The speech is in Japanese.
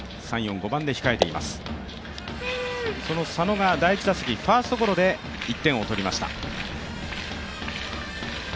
佐野が第１打席、ファーストゴロで１点を取りました。